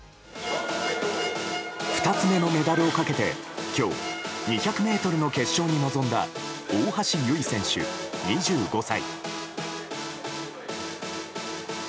２つ目のメダルをかけて今日、２００ｍの決勝に臨んだ大橋悠依選手、２５歳。